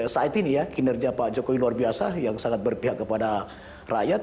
saat ini ya kinerja pak jokowi luar biasa yang sangat berpihak kepada rakyat